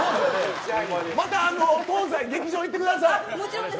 また劇場行ってください。